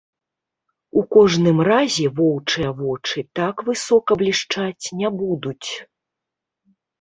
У кожным разе воўчыя вочы так высока блішчаць не будуць.